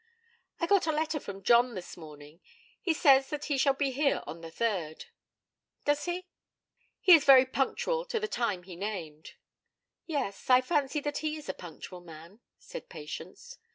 'I got a letter from John this morning. He says that he shall be here on the third.' 'Does he?' 'He is very punctual to the time he named.' 'Yes; I fancy that he is a punctual man,' said Patience.